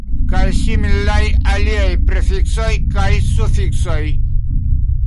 Kaj similaj aliaj prefiksoj kaj sufiksoj.